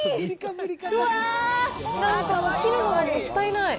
うわー、なんか切るのがもったいない。